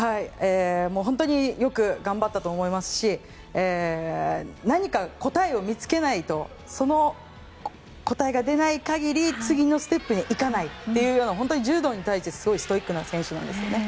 本当によく頑張ったと思いますし何か答えを見つけないとその答えが出ない限り次のステップに行かないというような本当に柔道に対して、すごいストイックな選手なんですよね。